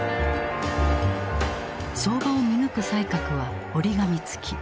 相場を見抜く才覚は折り紙付き。